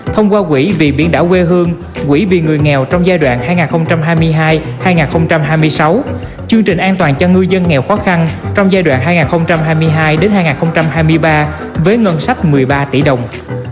thông qua quỹ vì biển đảo quê hương quỹ vì người nghèo trong giai đoạn hai nghìn hai mươi hai hai nghìn hai mươi sáu chương trình an toàn cho ngư dân nghèo khó khăn trong giai đoạn hai nghìn hai mươi hai hai nghìn hai mươi ba với ngân sách một mươi ba tỷ đồng